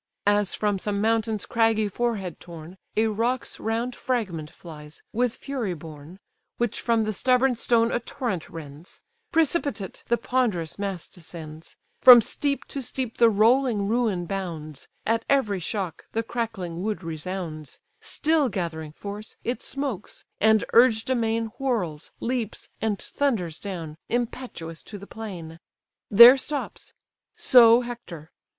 As from some mountain's craggy forehead torn, A rock's round fragment flies, with fury borne, (Which from the stubborn stone a torrent rends,) Precipitate the ponderous mass descends: From steep to steep the rolling ruin bounds; At every shock the crackling wood resounds; Still gathering force, it smokes; and urged amain, Whirls, leaps, and thunders down, impetuous to the plain: There stops—so Hector.